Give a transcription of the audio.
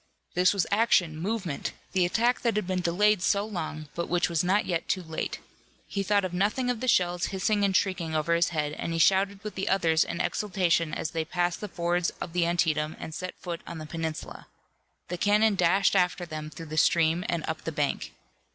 This was action, movement, the attack that had been delayed so long but which was not yet too late. He thought nothing of the shells hissing and shrieking over his head, and he shouted with the others in exultation as they passed the fords of the Antietam and set foot on the peninsula. The cannon dashed after them through the stream and up the bank.